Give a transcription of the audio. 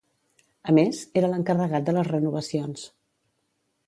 A més, era l'encarregat de les renovacions.